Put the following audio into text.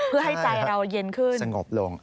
เพื่อให้ใจเราเย็นขึ้นสงบลง